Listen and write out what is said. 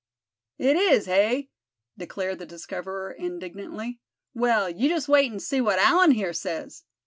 "It is, hey?" declared the discoverer, indignantly; "well, you just wait and see what Allan here says.